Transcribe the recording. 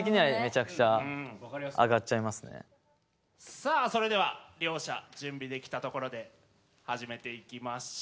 さあそれでは両者準備できたところで始めていきましょう！